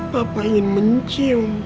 bapak ingin mencium